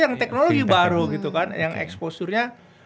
yang teknologi baru gitu kan yang eksposurnya